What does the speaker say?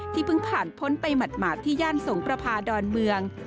เพิ่งผ่านพ้นไปหมาดที่ย่านสงประพาดอนเมือง